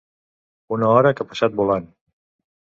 Una hora que ha passat volant.